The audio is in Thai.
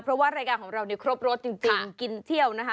เพราะว่ารายการของเราเนี่ยครบรสจริงกินเที่ยวนะคะ